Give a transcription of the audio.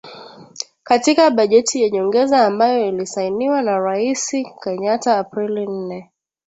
Katika bajeti ya nyongeza ambayo ilisainiwa na Raisi Kenyatta Aprili nne